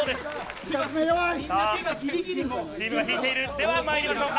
では、まいりましょう。